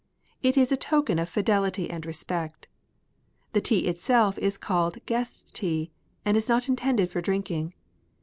It is a token of fidelity and respect. The tea itself is called " guest tea," and is not intended for drinking.